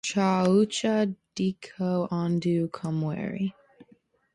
Chaw'ucha deko andu kumweri.